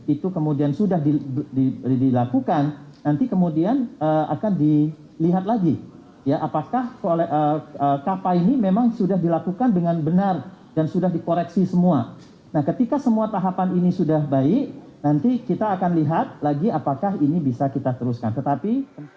itu kemudian sudah dilakukan nanti kemudian akan dilihat lagi ya apakah ini memang sudah dilakukan dengan benar dan sudah dikoreksi semua nah ketika semua tahapan ini sudah baik nanti kita akan lihat lagi apakah ini bisa kita teruskan tetapi